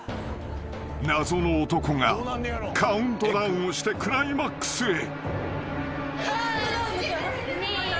［謎の男がカウントダウンをしてクライマックスへ］